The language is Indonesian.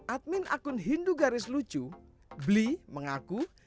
admin akun hindu garis lucu bli mengaku